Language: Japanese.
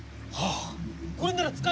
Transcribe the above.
ああ。